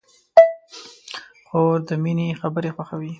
خور د مینې خبرې خوښوي.